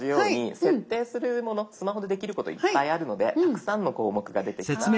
スマホでできることいっぱいあるのでたくさんの項目が出てきます。